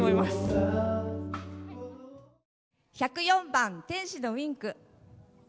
１０４番「天使のウィンク」。